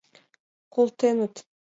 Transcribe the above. Колтеныт.